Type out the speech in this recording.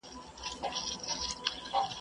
څې کوې، چي نې کوې.